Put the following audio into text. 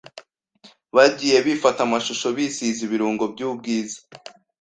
bagiye bifata amashusho bisize ibirungo by’ubwiza,